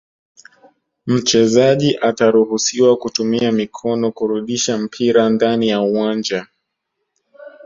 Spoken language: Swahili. mchezaji ataruhusiwa kutumia mikono kurudisha mpira ndani ya uwanja